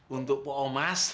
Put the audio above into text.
untuk pak omas